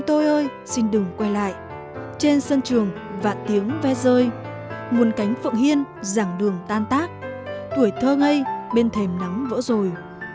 ôi ơi xin đừng quay lại trên sân trường vạn tiếng ve rơi muôn cánh phộng hiên giảng đường tan tác tuổi thơ ngây bên thềm nắng vỡ rồi